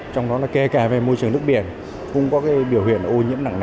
trong đó kể cả về môi trường nước biển cũng có biểu hiện ô nhiễm nặng nẻ